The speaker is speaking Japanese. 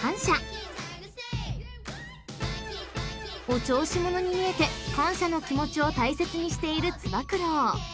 ［お調子者に見えて感謝の気持ちを大切にしているつば九郎］